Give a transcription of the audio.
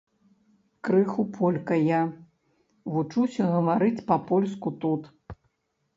Крыху полька я, вучуся гаварыць па-польску тут.